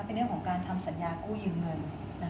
เป็นเรื่องของการทำสัญญากู้ยืมเงิน